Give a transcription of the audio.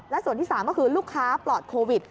และส่วนที่๓ก็คือลูกค้าปลอดโควิด